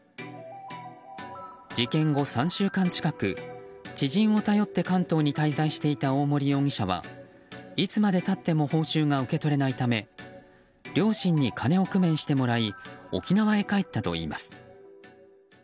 事件後３週間近く、知人を頼って関東に滞在していた大森容疑者はいつまで経っても報酬が受け取れないため両親に金を工面してもらい沖縄へ帰ったといいます。